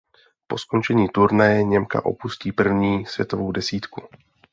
Po skončení turnaje Němka opustí první světovou desítku.